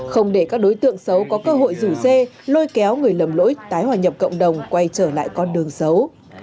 không để các đối tượng xấu có cơ hội rủ dê lôi kéo người lầm lỗi tái hòa nhập cộng đồng quay trở lại con đường xấu